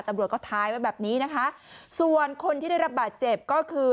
ตำรวจก็ท้ายไว้แบบนี้นะคะส่วนคนที่ได้รับบาดเจ็บก็คือ